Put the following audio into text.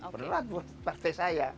perlahan buat partai saya